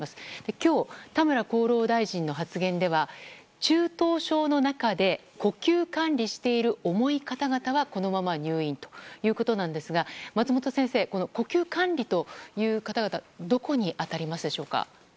今日、田村厚労大臣の発言では中等症の中で呼吸管理している重い方々はこのまま入院ということなんですが松本先生、呼吸管理という方々どこに当たりますでしょうか？